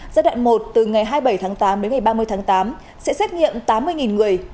giai đoạn một từ ngày hai mươi bảy tháng tám đến ngày ba mươi tháng tám sẽ xét nghiệm tám mươi người